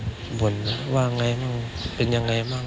ชอบบ่นบ่นว่าอย่างไรบ้างเป็นอย่างไรบ้าง